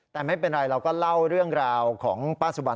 แต่ไม่เป็นไรเราก็เล่าเรื่องราวของป้าสุบัน